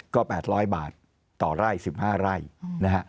ก็๘๐๐บาทต่อไร่๑๕ไร่นะฮะ